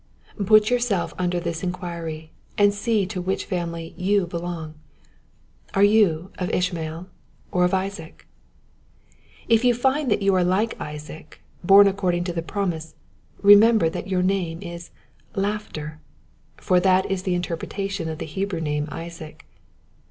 Put yourself under this inquiry, and see to which family you belong. Are you of Ishmael or of Isaac? If you find that you are like Isaac, born according to the promise, remember that your name is " Laughter ; for that is the interpretation of the Hebrew name Isaac.